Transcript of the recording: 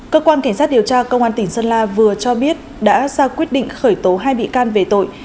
cơ quan cảnh sát điều tra công an tỉnh sơn la vừa cho biết đã ra quyết định khởi tố hai bị can về tội